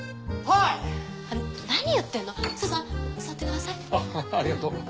あっありがとう。